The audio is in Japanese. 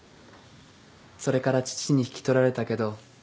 それから父に引き取られたけど